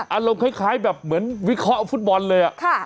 อารมณ์คล้ายแบบเหมือนวิเคราะห์เอาฟุตบอลเลย